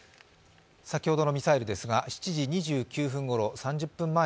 先ほどのミサイルですが７時２９分頃３０分前